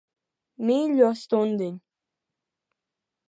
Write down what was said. Mīļo stundiņ.